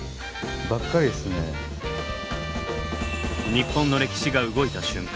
日本の歴史が動いた瞬間。